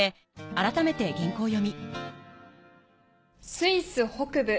スイス北部